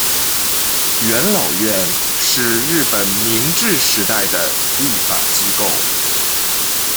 元老院是日本明治时代的立法机构。